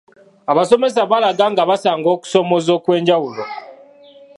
Abasomesa baalaga nga basanga okusoomooza okw’enjawulo.